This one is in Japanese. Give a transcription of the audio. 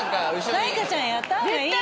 舞香ちゃんやった方がいい。